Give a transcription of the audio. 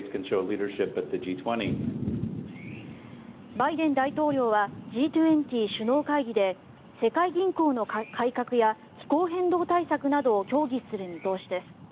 バイデン大統領はＧ２０首脳会議で世界銀行の改革や気候変動対策などを協議する見通しです。